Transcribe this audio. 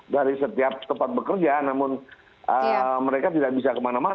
dari setiap tempat bekerja namun mereka tidak bisa kemana mana